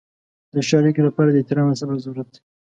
د ښې اړیکې لپاره د احترام او صبر ضرورت دی.